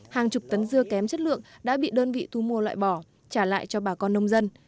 hàng chục tấn dưa kém chất lượng đã bị đơn vị thu mua loại bỏ trả lại cho bà con nông dân